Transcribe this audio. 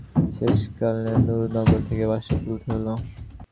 শেষকালে নুরনগর থেকে বাসা তুলতে হল।